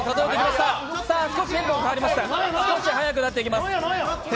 少し速くなってきます。